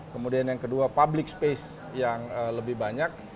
kemudian yang kedua public space yang lebih banyak